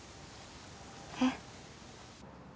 えっ？